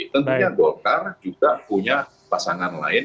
tentunya golkar juga punya pasangan lain